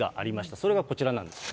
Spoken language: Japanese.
それがこちらなんです。